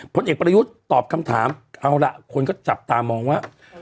ผลเอกประยุทธ์ตอบคำถามเอาล่ะคนก็จับตามองว่า